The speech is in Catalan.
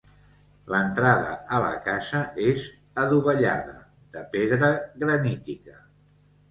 L'entrada a la casa és adovellada, de pedra granítica.